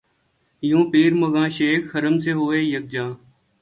یوں پیر مغاں شیخ حرم سے ہوئے یک جاں